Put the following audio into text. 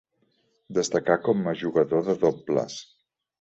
Destacà com a jugador de dobles.